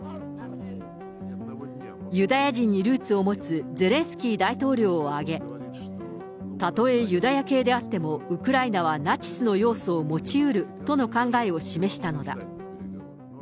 ユダヤ人にルーツを持つゼレンスキー大統領を挙げ、たとえユダヤ系であっても、ウクライナはナチスの要素を持ちうるとの考えを示したのだ。